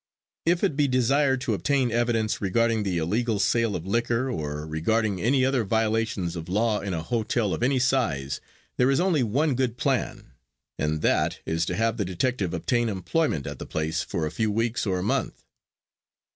If it be desired to obtain evidence regarding the illegal sale of liquor, or regarding any other violations of law in a hotel of any size, there is only one good plan, and that is to have the detective obtain employment at the place for a few weeks or a month.